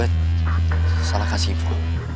anaknya juga salah kasih info